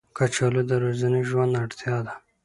کچالو د ورځني ژوند اړتیا ده